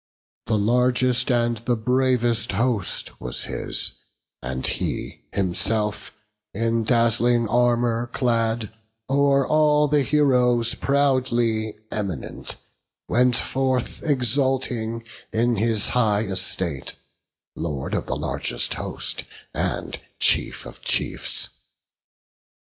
The largest and the bravest host was his; And he himself, in dazzling armour clad, O'er all the heroes proudly eminent, Went forth exulting in his high estate, Lord of the largest host, and chief of chiefs.